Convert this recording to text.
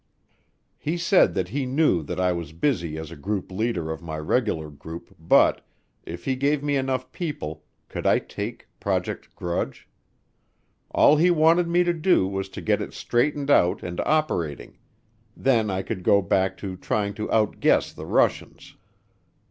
He said that he knew that I was busy as group leader of my regular group but, if he gave me enough people, could I take Project Grudge? All he wanted me to do was to get it straightened out and operating; then I could go back to trying to outguess the Russians.